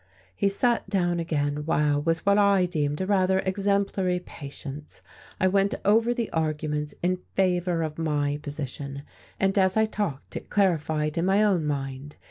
He sat down again while, with what I deemed a rather exemplary patience, I went over the arguments in favour of my position; and as I talked, it clarified in my own mind.